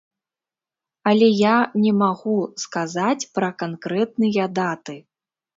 Але я не магу сказаць пра канкрэтныя даты.